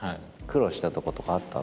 苦労したとことかあった？